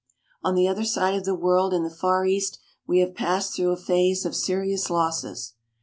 On the other side of the world, in the Far East, we have passed through a phase of serious losses.